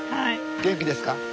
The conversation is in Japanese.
元気です。